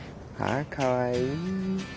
あかわいい。